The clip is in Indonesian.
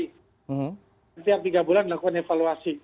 setiap tiga bulan melakukan evaluasi